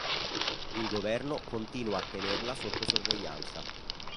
Il governo continua a tenerla sotto sorveglianza.